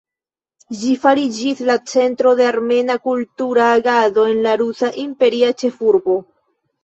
Ĝi fariĝis la centro de armena kultura agado en la rusa imperia ĉefurbo.